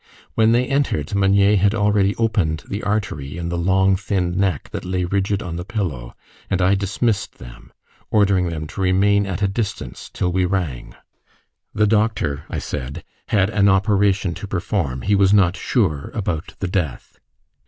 When they entered, Meunier had already opened the artery in the long thin neck that lay rigid on the pillow, and I dismissed them, ordering them to remain at a distance till we rang: the doctor, I said, had an operation to perform he was not sure about the death.